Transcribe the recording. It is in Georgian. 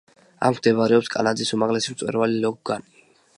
აქ მდებარეობს კანადის უმაღლესი მწვერვალი ლოგანი.